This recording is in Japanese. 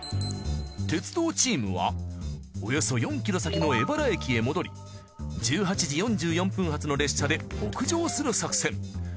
鉄道チームはおよそ４ｋｍ先の江原駅へ戻り１８時４４分発の列車で北上する作戦。